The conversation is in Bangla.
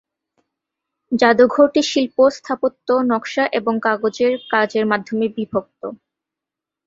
জাদুঘরটি শিল্প, স্থাপত্য, নকশা এবং কাগজের কাজের মাধ্যমে বিভক্ত।